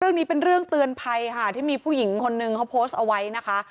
เรื่องนี้เป็นเรื่องเตือนภัยค่ะที่มีผู้หญิงคนนึงเขาโพสต์เอาไว้นะคะ